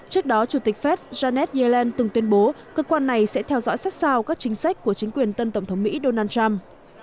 trước đó chủ tịch fed janet yellen từng tuyên bố cơ quan này sẽ theo dõi sát sao các chính sách của chính quyền tân tổng thống mỹ donald trump